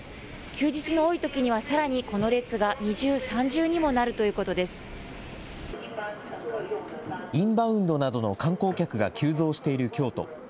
休日の多いときには、さらにこの列が二重、インバウンドなどの観光客が急増している京都。